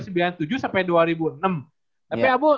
sampai dua ribu enam tapi abu